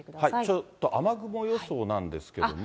ちょっと雨雲予想なんですけれども。